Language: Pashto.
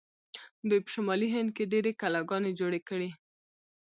دوی په شمالي هند کې ډیرې کلاګانې جوړې کړې.